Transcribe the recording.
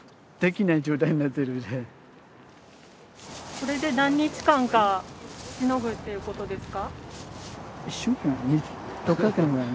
これで何日間かしのぐっていうことですか？